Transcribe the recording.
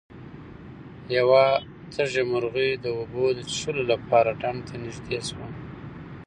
یوه تږې مرغۍ د اوبو د څښلو لپاره ډنډ ته نږدې شوه.